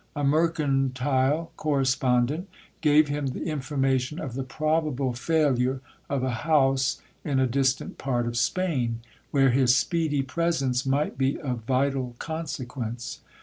A mercantile correspondent gave him the information of the probable failure of a house in a distant part of Spain, where his speedy presence might be of vital consequence.